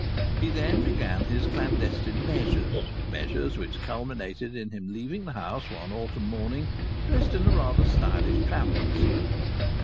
He then began his clandestine measures measures which culminated in him leaving the house one autumn morning dressed in a rather stylish travelling suit.